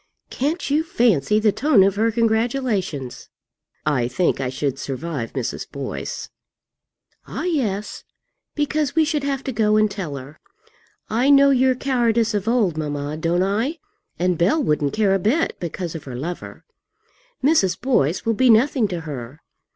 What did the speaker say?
Can't you fancy the tone of her congratulations?" "I think I should survive Mrs. Boyce." "Ah, yes; because we should have to go and tell her. I know your cowardice of old, mamma; don't I? And Bell wouldn't care a bit, because of her lover. Mrs. Boyce will be nothing to her.